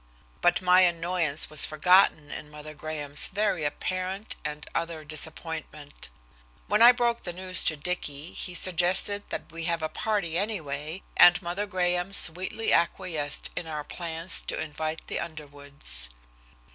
But my annoyance was forgotten in Mother Graham's very apparent and utter disappointment. When I broke the news to Dicky he suggested that we have a party anyway, and Mother Graham sweetly acquiesced in our plans to invite the Underwoods.